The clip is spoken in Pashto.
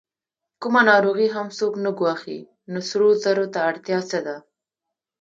کومه ناروغي هم څوک نه ګواښي، نو سرو زرو ته اړتیا څه ده؟